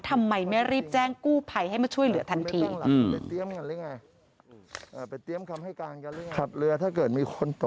ทำไมไม่รีบแจ้งกู้ภัยให้มาช่วยเหลือทันที